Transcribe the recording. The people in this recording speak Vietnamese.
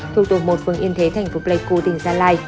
thuộc tổ một phường yên thế thành phố pleiku tỉnh gia lai